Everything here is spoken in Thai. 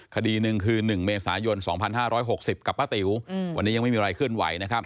คดีหนึ่งคือ๑เมษายน๒๕๖๐กับป้าติ๋ววันนี้ยังไม่มีอะไรเคลื่อนไหวนะครับ